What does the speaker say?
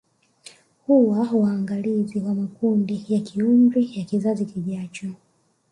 Huwa waangalizi wa makundi ya kiumri ya kizazi kijacho